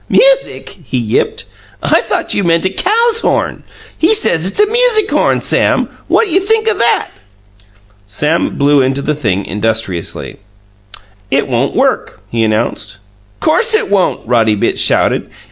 "Music!" he yipped. "I thought you meant a cow's horn! He says it's a music horn, Sam? What you think o' that?" Sam blew into the thing industriously. "It won't work," he announced. "Course it won't!" Roddy Bitts shouted.